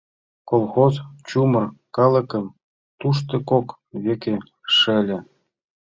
Колхоз чумыр калыкым тушто кок веке шеле.